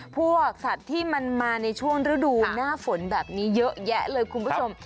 พวกสัตว์ที่มันมาในช่วงฤดูหน้าฝนแบบนี้เยอะแยะเลยคุณผู้ชม